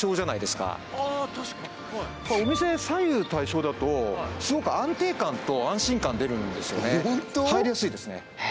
確かにお店左右対称だとすごく安定感と安心感出るんですよね入りやすいですね